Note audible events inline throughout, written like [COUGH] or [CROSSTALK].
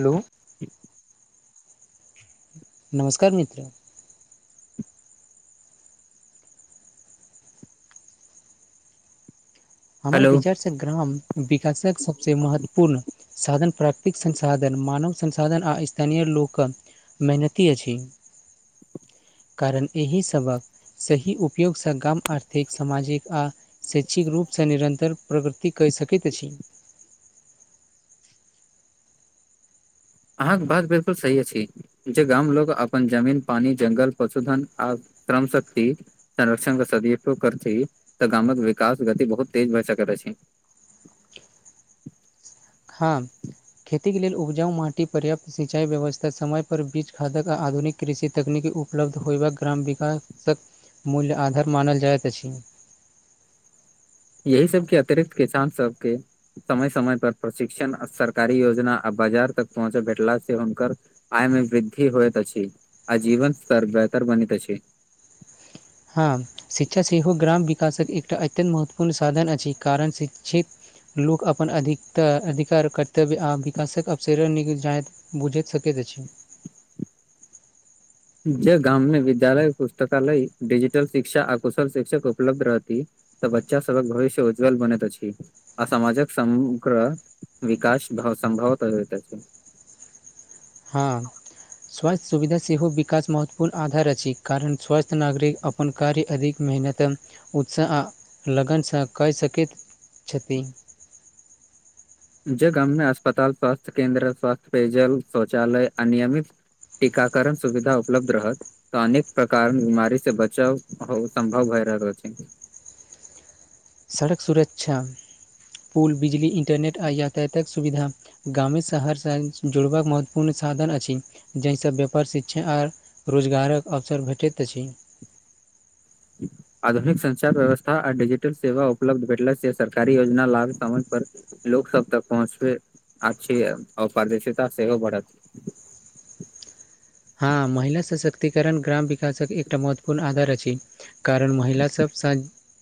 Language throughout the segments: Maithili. हेलो। नमसकार मित्र हमर हेलो विचार से ग्राम विकासक सबसेमहत्वपूर्ण। साधन प्राकृतिक संसाधन मानव संसाधन आ स्थानीय लोक। मेहनती अछि कारण एहि सभक सही उपयोगसँ कम आर्थिक सामाजिक आ शैक्षिक लोक निरन्तर प्रगृति कहि सकैत अछि। अहाँके बात बिलकुल सही अछि। जे गामक अपन जमीन पानी जंगल पशुधन आ श्रममं। शक्ति संरक्षण के सदुो करती तऽ गामक विकास गति बहुत तेज भए सकैत छै। हँ। खेतीके लेल उपजाउ माटी पर्याप्त सिंचाइ व्यवस्था समयप पर बीज खादक आ आधुनिक। कृषि तकनीक उपलब्ध होयबाक ग्राम विकासक मूल्य आधार मानल जाइत अछि यही सबके अतिरिक्त किसानसबके समय समय पर प्रशिक्षण सरकारी योजना आ बाजार तक पहुँच भेटला से हुनकर आय मे वृद्धि होइत अछि आ जीवन स्तर बेहतर बनैत अछि। हँ शिक्षा सेहो ग्राम विकासके एकटा अत्यन्त महत्वपूर्ण साधन अछि कारण जेशिक्षित। लोक अपन अधिकतर अरधिकार कर्तव्य आओर विकासक अवसर नहि जायत बुईझ सकैत अछि। जे गाममे विद्यालय पुस्तकालयडिजिटलशिक्षा आ कुशल शिक्षक उपलब्धरहति तऽ बच्चा सभहकभविष्य उज्ज्ल बनैत अछि असामाजक समग्र विकास भ संभवतलगैत अछि हँ स्वास्थ्य सुविधा सेहो विकास महत्वपूर्ण आधार अछि कारण स्वास्थ्य नागरिक अपन कार्य अधिक मेहनत उत्साह आ लगनसँ कऽ सकैत अछि छति जे गाममे अस्पताल स्वास्थ्य केन्द्र स्वथ्य पेजल शौचालय अनियमित टीकाकण सुविधा उपलब्ध रहत तऽ अनेक प्रकार बीमारी से बचाव आसम्भव भए रहल अछि सड़क सुरक्षा पुल बिजली इन्टरनेट आ यातायातात सुविधा शहरसँ जुड़बाक महत्वपूर्ण साधन अछि जाहिसँ व्यापार शिक्षााआ रोजगारक अवसर भेटैतऽ अछि [INAUDIBLE] [INAUDIBLE] आधुनिक संचार व्यवस्था आ डजिटल सेवा उपलब्ध भेटल से सरकारी योजना लाभ समय पर लोक सब तक पहुँचले अच्छी अपारदर्शिता सेहो बढ़त हँ महिला सशक्तिकरण ग्राम विकासक एकटा महत्वपूर्ण आधार अछि कारण महिलासभ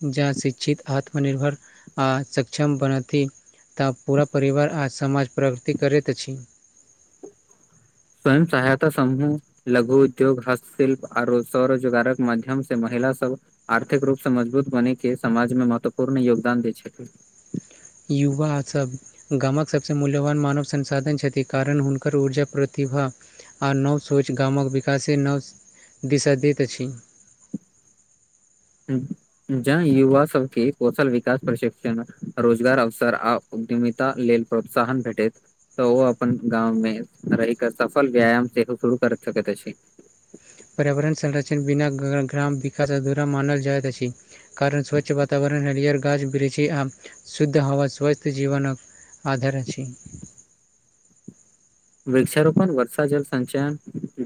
जँ शिक्षित आत्मनिर्भर आ सक्षम बनती तऽ पूरा परिवार आ समाज प्रगति करैत अछि स्वयं सहायता समूह लघु उद्योग हस्तशिल्प आ स्वरोजगारक माध्यम सऽ महिला सब आर्थिक रूप सऽ मजबूत बनने के समाजमे महत्वपूर्ण योगदान दै छथिन युवा सब गामक सभसँ मूल्यवान मानव संसाधन छथि कारण हुनकर ऊर्जा प्रतिभा आ नव सोच गामक विकासे नव दिशा दैत अछि जह युवा सबके कौशल विकास प्रशिक्षण रोजगार अवसर आ उद्यमितता लेल प्रोतसाहन भेटैत तऽ ओ अपन गाँव मे रहि कऽ सफल व्यायाम सेहो शुरू कर सकैत छै पर्यावरण संरक्षण बिना ग्राम विकास अधूरा मानल जाइत अछि कारण स्वच्छ वातावरण हरिहर गाछ बिड़छी आ शुद्ध हवा स्वस्थ्य जीवन आधर अछी वृक्षारोपण वर्षा जल संचयन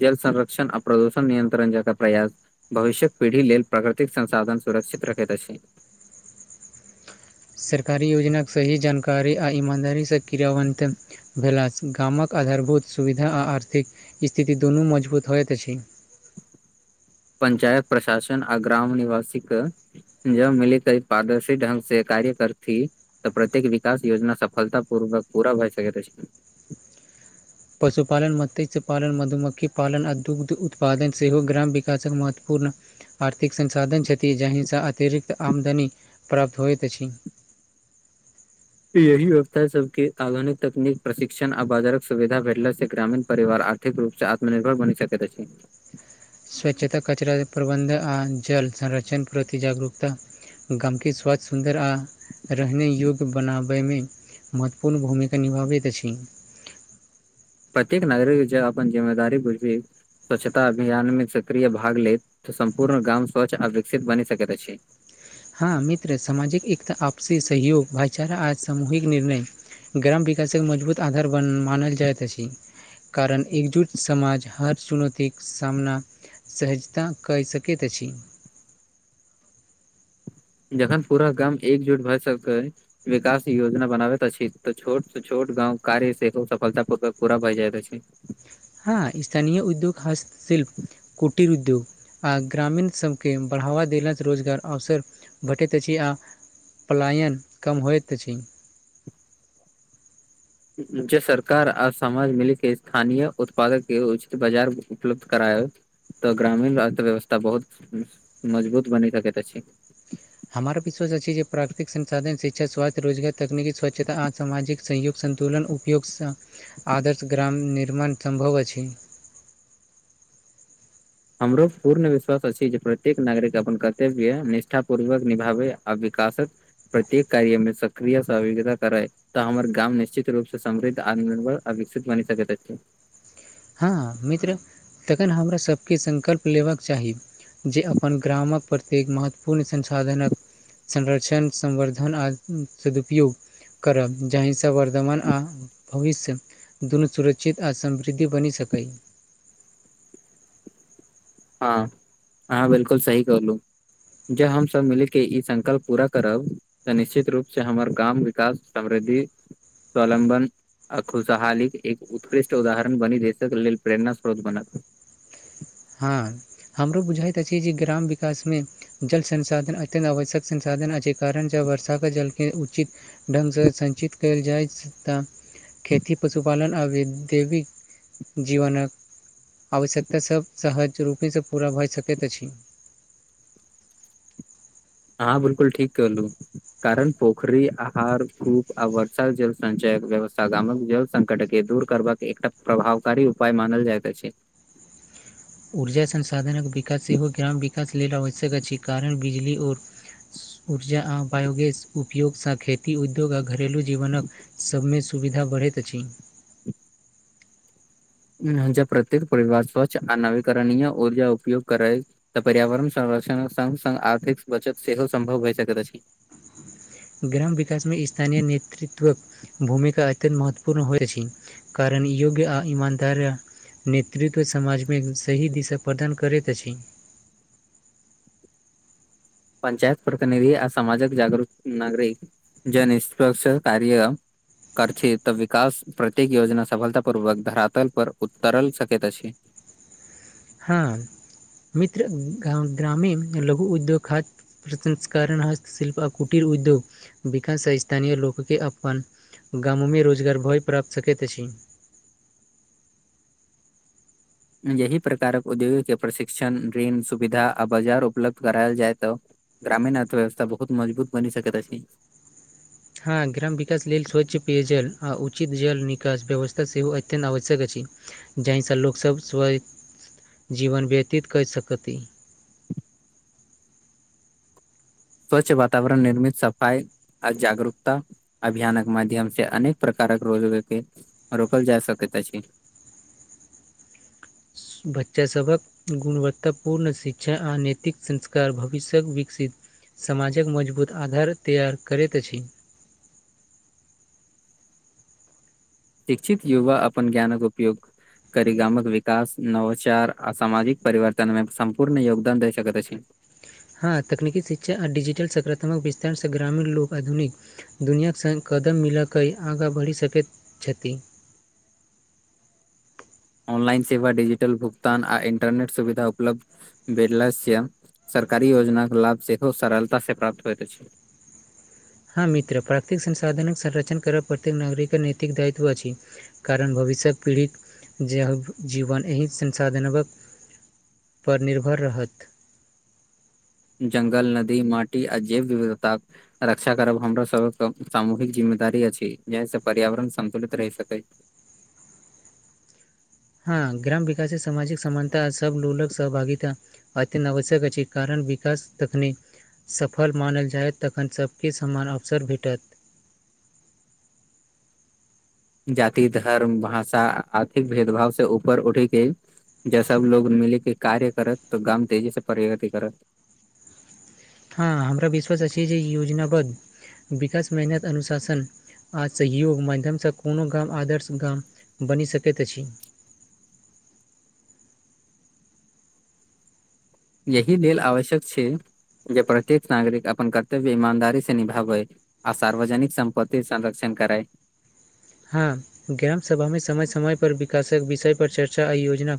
जल संरक्षण आ प्रदूषण नियंत्रण जका प्रयास भविष्यक पीढ़ी लेल प्राकृतिक संसाधन सुरक्षित रखैत अछि सरकारी योजनाक सही जानकारी आ ईमानदारीसँ क्रियावंत भेलासँ गामक आधारभूत सुविधा आ आर्थिक स्थिति दुनू मजबूत होइत अछि पंचायत प्रशासन आ ग्राम निवासी कऽ जब मिली तऽ पारदर्शी ढ्ंग से कार्य करथिी तऽ प्रत्येक विकास योजना सफलता पूर्वक पूरा भए सकत अछि पशुपालन मत्स्य पालन मधुमक्खी पालन आ दुग्ध उत्पादन सेहो ग्राम विकासक महत्वपूर्ण आर्थिक संसाधन छथि जाहिसँ अतिरिक्त आमदनी प्राप्त होइत अछि यही ववस्था सब के आधुनिक तकनीक प्रशिक्षण आ बाजारक सुविधा भेटला से ग्रामीण परिवार आ िक रूपसँ आत्मनिर्भर बनि सकैत अछि स्वच्छता कचरा प्रबन्ध आ जल संरक्षण प्रति जागरूकता गमकेी स्वास्थ सुन्दरा रहने योग्य बनाबयमे महत्वपूर्ण भूमिका निभाबैत अछि प्रत्येक नागरिक जँ अपन जिम्मेदार बुजी स्वच्छता अभियान मे सक्रिय भाग लेैत तऽ सम्पूर्ण गाम स्वच्छ आ विकसित बनि सकैत अछि हँ मित्र सामाजिक एकता आपसी सहयोग भाईचारा आ सामूहििक निर्णय ग्राम विकासक मजबूत आधार बन मानल जाइत अछि कारण एकजुट समाज हर चुनौतीक सामना सहजता कहि सकैत अछी जखन पूरा गाम एकजुट भए सके विकास योजना बनाबैत अछि तऽ छोट सऽ छोट गाँव कार्य सेहो सफलता पूर्वक पूरा भय जाय अछि हँ स्थानिय उद्योग हास्तशिल्प कुटीर उद्योग आ ग्रामीण सभकेँ बढ़ावा देला सऽ रोजगार अवसर भेटैत अछि आ पलायन कम होइत अछि जे सरकार आ समाज मिलिक के स्थानीय उत्पादक के उचित बाजार उपलब्ध कराय तऽ ग्रामीण अर्थव्यवस्था बहुत मजबूत बनी सकैत अछि हमरा विश्व अछि छै जे प्राकृतिक संसाधन शिक्षा स्वास्थ्य रोजगार तकनिकी स्वच्छता आ सामाजिकऽ सहयोग सन्तुलन उपयोगस आदर्श ग्राम निर्मण सम्भव अछि हमरो पूर्ण विश्वास अछि जे प्रत्येक नागरिकऽ अपन कर्तव्य निष्ठा पूर्वक निभाबै आ विकासक प्रत्येक कार्यमे सक्रिय सवगता कर त हमर गाम निश्चित रूपसँ समृद्ध आत्मनिर्भर आर विकसित बनि सकैत अछि ह मित्र तखन हमरा सभके संकल्प लेबाक चाही जे अपन ग्राम कऽ प्रत्येक महत्वपूर्ण संसाधनक संरक्षण संवर्धन अ सदुपयोग करब जाहिस वर्धमान आ भविष्य दून सुरक्षित आ समृद्धि बनि सके ह ह बिल्कूल सही कहलू जे हमसभ मिलके इ संकल्प पूरा करब निश्चित रूपस हमर गाम विकास समृद्धि स्वलम्बन आ खुशहालीक एक उत्कृष्ट उदाहरण बनी देशकऽ लेलऽ प्रेरणा स्रोत बनत ह हमरो बुझाइत अछि जे ग्राम विकासमे जल संसाधन अत्यंत आवश्यक संसाधन आ कारण जब वर्षा के जलके उचित ढंगगसँ संञचित कल जाइ छै खेती पशुपालन आ दैविक जीवन कऽ आवश्यकता सभ सहज रूपेसँ पूरा भऽ सकैत अछि हँ बिल्कूल ठीक कहलू कारण पोखरी आहर खूब आ वर्ष जलसचय व्यवस्था गामक संकट के दूर करबाकऽ एकटा प्रभावकारी उपाय मानल जाइत अछि ऊर्जा संसाधनक विकास सेहो ग्राम विकास लेलऽ आवश्यक अछि कारण बिजली ओर ऊर्जा आ बायोगस उपयोगसँ खेत। उद्योग आ घरेलू जीवनक सभमे सुविधा बढ़ैत अछि जब प्रत्यक परिवार स्वच्छ आ नवीकरणीय ऊर्जा उपयोग करे तऽ पर्यावरण संरक्षणक संग आर्थिक बचत सेहो सम्भव होइ सकैत अछि ग्राम विकास मे स्थानीय नेतृत्वक भूमिका अत्यत महत्वपूर्ण होइत अछि कारण योग्य आ इमानदार। नेतृत्व समाज मे सही दिशा प्रदान करैत अछि पञ्चायत प्रतिनिधि आ समामाजक जागृत नागरिक निष्प्ष कार्य करथि तऽ विकास प्रत्येक योजना सफलता पूर्वकऽ धरातल पर उतरल सकैत अछि ह मित्र गाम ग्रामीण लघु उद्योग खात प्रसंस्करण हस्तशिल्प कुटीर उधोग विकास आ स्थानीय लोक के आह्वान गाम मे रोजगार भय प्राप्त सकैत अछि। यही प्रकार कऽ उद्योगके प्रशिक्षण ऋण सुविधा आ बाजार उपलब्ध करायल जायत ग्रामीण अर्थव्यवथा बहुत मजबूत बनि सकैत अछि। ह ग्राम विकास लेल स्वच्छ पेयजल आ उचित जल निकास व्यवस्था सेहो अत्यन्त आवश्यक अछि जाहिसँ लोकसभ स्व जीवन व्यतीत क सकथि स्वच्छ वातावरण निर्मित सफाई आ जागरूकता अभियानक माध्यम से अनेक प्रकारक रोज के रोकल जा सकैत अछि। बच्चा सभ कऽ गुणवत्तापूर्ण शिक्षा आ नैतिक संस्कार भविष्य्यकऽ विकसित समाजकऽ मजबूत आधार तैयार करैत अछि शिक्षित युवा अपन ज्ञान कऽ उपयोग करी गाम कऽ विकास नवचार आ सामाजिक परिवर्तन मे सम्पूर्ण योगदान द सकैत अछि ह तकनीकी शिक्षा आ डजिटल सकारात्मक विस्तारसँ ग्रामीण लोक आधुनिक दुनियाक संग कदम मिलाकऽ आगाँ बढ़ि सकैत छथि ऑनलाइन सेवा डिजिटल भुगतान आ इन्टरनेट सुविधा उपलब्ध [UNINTELLIGIBLE] सरकारी योजनाक लाभ सेहो सरलतासँ प्राप्त होइत अछि हँ मित्र प्राकृतिक संसाधनक संरक्षण करब प्रत्येक नागरिक नैतिक दायित्व अछि कारण भविष्य पीढ़ी जेहम जीवन एहि संसाधनक पर निर्भर रहत जंगल नदी माटी अ जैव विविधता रक्षा करब हमरो सब सामूहिक जिम्मेदारी अछि जहि से पर्यावरण संन्तुलित रहि सकै हँ ग्राम विकास सामाजिक समानता सब लोलक सहभागिता अतिआवश्यक अछि कारण विकास तकनीक सफल मानल जायेत तखन सबके समान अवसर भेटत जाति धर्म भाषा आर्थिक भेदभाव से ऊपर उठी के जे सब लोग मिली के कार्य करत तऽ गाम तेजी से प्रगति करत हँ हमरा विश्वास अछि जे ई योजना बध विकास मेहनत अनुशासन आ सहयोग माध्यमसँ कोनो गाम आदर्श गाम बनि सकैत अछि यही लेल आवश्यक छै जे प्रत्येक नागरिक अपन कर्तव्य ईमानदारी से निभाबे आ सार्वजनिक संपति संरक्षण करैय हँ ग्राम सभामे समय समयपर विकासक विषयपर चर्चा आ योजना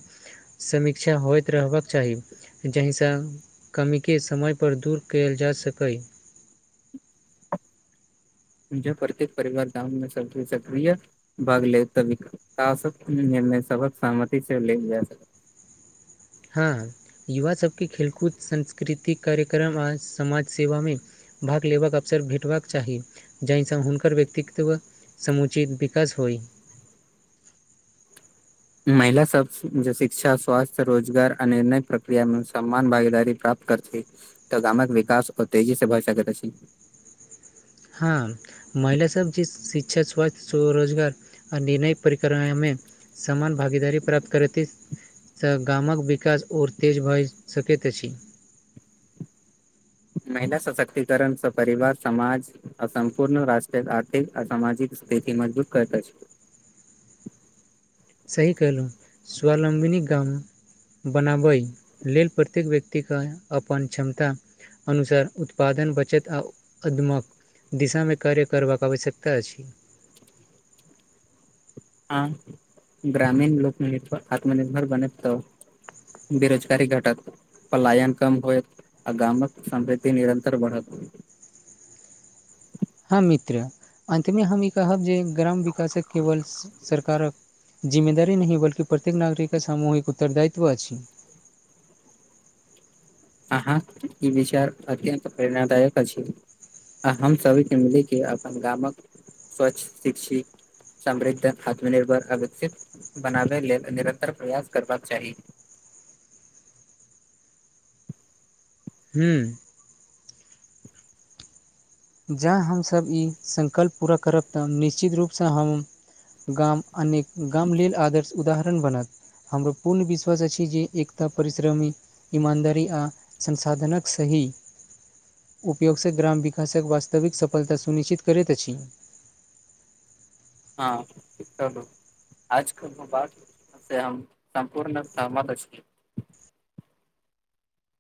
समीक्षा होइत रहबाक चाही जाहिसँ कमी के समयपर दूर कयल जा सकय प्रत्येक परिवार गाम मे सब सक्रिय भाग ले तऽ विकासक निर्णय सबहक सहमति से लेल जायत हँ युवा सबके खेलकूद सांस्कृतिक कार्यक्रम आ समाज सेवामे भाग लेबाक अवसर भेटबाक चाही जाहिसँ हुनकर व्यक्तित्व समुचित विकास होइ महिला सब जे शिक्षा स्वास्थ्य रोजगार आ निर्णय प्रक्रियामे सम्मान भागीदारी प्राप्त करथि तऽ गामक विकास आउर तेजी से भय सकेथ अछि हँ महिलासभ जे शिक्षा स्वास्थ्य स्वरोजगार आ निर्णय [UNINTELLIGIBLE] समान भागीदारी प्राप्त करैत सँ गामक विकास आओर तेज भऽ सकैत अछि महिला सशक्तिकरण सँ परिवार समाज आ सम्पूर्ण रष्ट्रक आर्थिक आ सामजिक स्थिति मजबूत करत अछि सही कहलू स्वलम्बिनी गाम बनाबय लेल प्रत्येक व्यक्तिके अपन क्षमता अनुसार उत्पादन बचत आ अदमक दिशामे कार्य करबाक आवश्यकता अछि आ ग्रामीण लोक आत्मनिर्भर बनत तऽ बेरोजगारी घटत पलायन कम होएत आ गामक समृद्धि निरन्तर बढ़त हँ मित्र अन्तमे हम ई कहब जे ग्राम विकासक केवल सरकारक जिम्मेदारी नहि बलकी प्रत्येक नागरिक के सामूहिक उत्तर दायित्व अछि अहाँ ई विचार अत्यंत प्रेरणादायक अछि आ हम सभी के मिली के अपन गामक स्वच्छ शिक्षित समृद्ध आत्मनिर्भर विकसित बनाबय लेल निरन्तर प्रयास करबाक चाही हूँ जँ हमसभ ई सङ्कल्प पूरा करब तऽ निश्चित रूपसँ हम गाम अनेक गाम लेलल आदर्श उदाहरण बनत। हमर पूर्ण विश्वास अछि जे एकता परिश्रमी ईमानदारी आ संसाधनकक सही उपयोगसँ ग्राम विकास विकासक वास्तविक सफलता सुनिश्चित करैत अछि। हँ [UNINTELLIGIBLE] आज कऽ से बात हम सम्पूर्ण सहमत अछि।